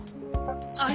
あれ？